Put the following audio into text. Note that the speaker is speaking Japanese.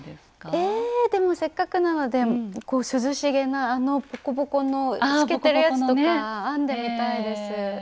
えでもせっかくなので涼しげなあのボコボコの透けてるやつとか編んでみたいです。